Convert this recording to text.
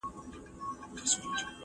ورته ضرور دي دا دواړه توکي ,